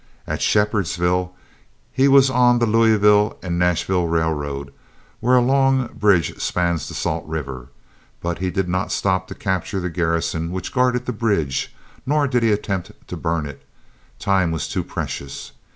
At Shepherdsville he was on the Louisville and Nashville Railroad, where a long bridge spans the Salt River. But he did not stop to capture the garrison which guarded the bridge, nor did he attempt to burn it; time was too precious.